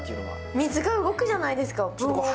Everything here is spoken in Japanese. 水が動くじゃないですか。